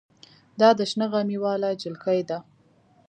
دا د شنه غمي واله جلکۍ ده.